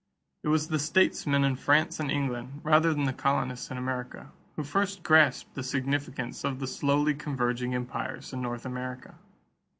It was the statesmen in France and England, rather than the colonists in America, who first grasped the significance of the slowly converging empires in North America.